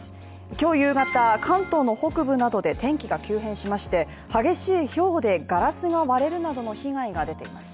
今日夕方、関東の北部などで天気が急変しまして、激しいひょうでガラスが割れるなどの被害が出ています。